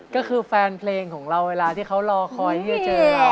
ก็คือแฟนเพลงของเราเวลาที่เขาลอง